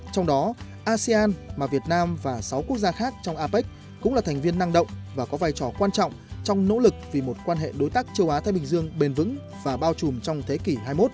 trong đó asean mà việt nam và sáu quốc gia khác trong apec cũng là thành viên năng động và có vai trò quan trọng trong nỗ lực vì một quan hệ đối tác châu á thái bình dương bền vững và bao trùm trong thế kỷ hai mươi một